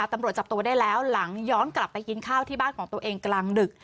ตำรวจจับตัวได้แล้วหลังย้อนกลับไปกินข้าวที่บ้านของตัวเองกลางดึก